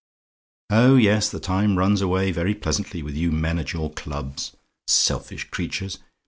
"Oh, yes! the time runs away very pleasantly with you men at your clubs selfish creatures!